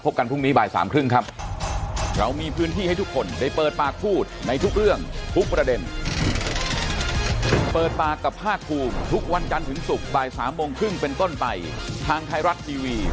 กันพรุ่งนี้บ่ายสามครึ่งครับ